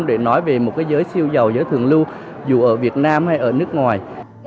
để nói về một cái giới siêu giàu giới thường lưu dù ở việt nam hay ở nước ngoài